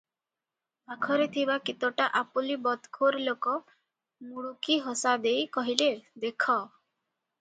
ପାଖରେ ଥିବା କେତୋଟା ଆପୁଲି ବଦଖୋର ଲୋକ ମୁଡ଼ୁକିହସାଦେଇ କହିଲେ- "ଦେଖ!